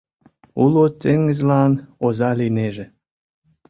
Уло теҥызлан оза лийнеже.